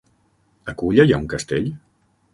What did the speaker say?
A Culla hi ha un castell?